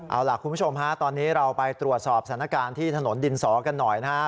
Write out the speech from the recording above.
เอาล่ะคุณผู้ชมฮะตอนนี้เราไปตรวจสอบสถานการณ์ที่ถนนดินสอกันหน่อยนะฮะ